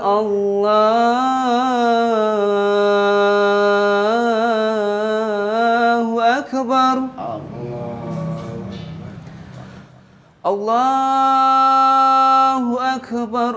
allahu akbar allahu akbar